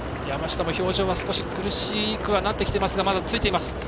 山下も表情が少し苦しくはなってきていますがまだ、ついています。